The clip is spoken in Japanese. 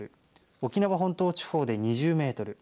沖縄本島地方で２０メートル